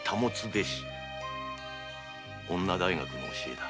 「女大学」の教えだ。